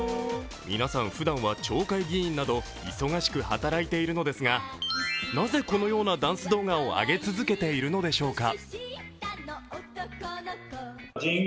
皆さんふだんは町会議員など忙しく働いているのですが、なぜ、このようなダンス動画を上げ続けているのでしょうか。